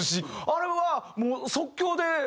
あれはもう即興で？